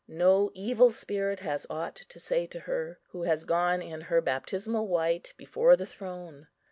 No evil spirit has aught to say to her, who has gone in her baptismal white before the Throne.